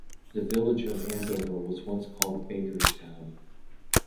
The village of Andover was once called "Bakerstown".